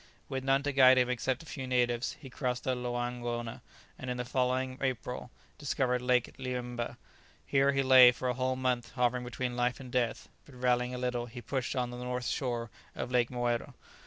With none to guide him except a few natives, he crossed the Loangona, and in the following April discovered Lake Liemmba. Here he lay for a whole month hovering between life and death, but rallying a little he pushed on to the north shore of Lake Moero.